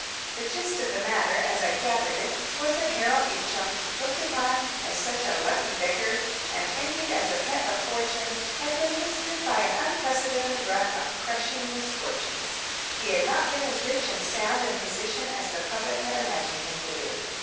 The gist of the matter, as I gathered it, was that Harold Beecham, looked upon as such a "lucky beggar", and envied as a pet of fortune, had been visited by an unprecedented run of crushing misfortunes. He had not been as rich and sound in position as the public had imagined him to be.